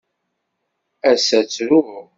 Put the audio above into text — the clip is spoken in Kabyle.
Ass-a ttruɣ.